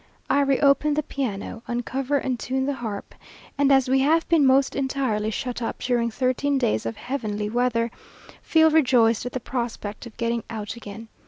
I reopen the piano, uncover and tune the harp, and as we have been most entirely shut up during thirteen days of heavenly weather, feel rejoiced at the prospect of getting out again.